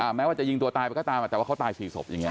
แม้ว่าจะยิงตัวตายไปก็ตามแต่ว่าเขาตาย๔ศพอย่างนี้